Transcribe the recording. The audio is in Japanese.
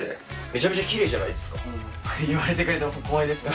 めちゃくちゃキレイじゃないですか。